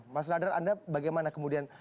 mas radar anda bagaimana kemudian